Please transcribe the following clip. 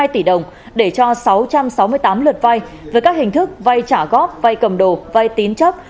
một mươi hai tỷ đồng để cho sáu trăm sáu mươi tám lượt vai với các hình thức vai trả góp vai cầm đồ vai tín chấp